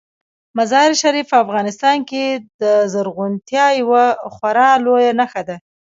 مزارشریف په افغانستان کې د زرغونتیا یوه خورا لویه نښه ده.